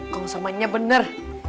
kalo samanya bener